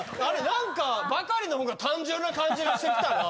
何かバカリの方が単純な感じがしてきたな。